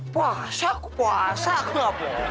puasa aku puasa aku gak boleh